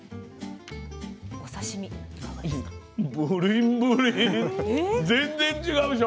お刺身いかがですか？